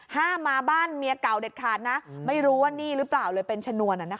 ห้ามมาบ้านเมียเก่าเด็ดขาดนะไม่รู้ว่านี่หรือเปล่าเลยเป็นชนวน